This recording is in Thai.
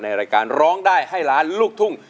รายการร้องได้ให้ล้านลูกทุ่ง